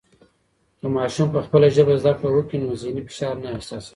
که ماشوم په خپله ژبه زده کړه و کي نو ذهني فشار نه احساسوي.